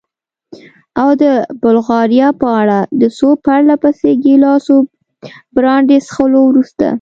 او د بلغاریا په اړه؟ د څو پرله پسې ګیلاسو برانډي څښلو وروسته.